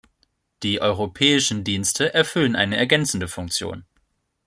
Die europäischen Dienste erfüllen eine ergänzende Funktion.